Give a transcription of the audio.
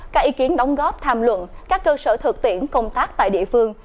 các ý kiến đóng góp tham luận các cơ sở thực tiễn công tác tại địa phương